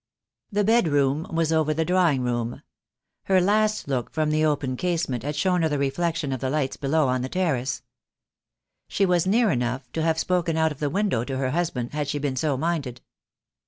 The bedroom was over the drawing room. Her last look from the open casement had shown her the reflection of the lights below on the terrace. She was near enough to have spoken out of the window to her husband, had she been so minded.